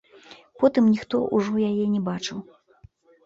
Потым ніхто ўжо яе не бачыў.